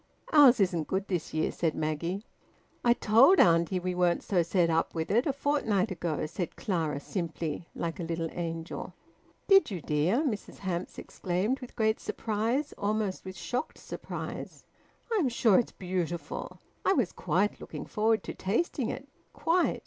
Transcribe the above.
"Ours isn't good this year," said Maggie. "I told auntie we weren't so set up with it, a fortnight ago," said Clara simply, like a little angel. "Did you, dear?" Mrs Hamps exclaimed, with great surprise, almost with shocked surprise. "I'm sure it's beautiful. I was quite looking forward to tasting it; quite!